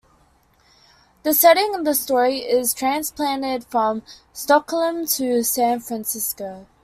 The setting of the story is transplanted from Stockholm to San Francisco.